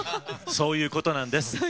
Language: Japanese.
そういうことなんです。